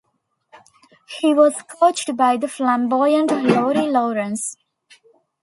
He was coached by the flamboyant Laurie Lawrence.